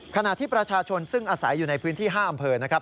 ขณะที่ประชาชนซึ่งอาศัยอยู่ในพื้นที่๕อำเภอนะครับ